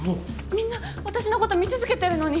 みんな私のこと見続けてるのに。